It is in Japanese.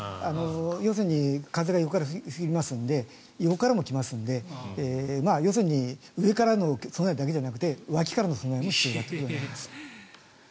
要するに風が横から吹きますので横からも来ますので要するに上からの備えだけじゃなくて脇からの備えも必要だということです。